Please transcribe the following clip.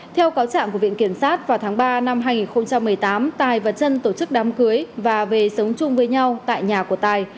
theo cáo trạng của viện kiểm sát vào tháng ba năm hai nghìn một mươi tám tài và trân tổ chức đám cưới và về sống chung với nhau tại nhà của tài